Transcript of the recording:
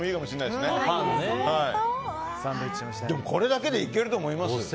でも、これだけでいけると思います。